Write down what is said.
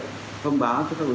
để cùng hỗ trợ lực lượng chức năng